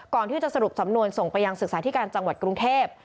ก่อนที่จะสรุปสำนวนส่งไปยังศึกษาธิการจังหวัดกรุงเทพ